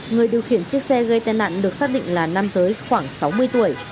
người điều khiển chiếc xe gây tai nạn được xác định là nam giới khoảng sáu mươi tuổi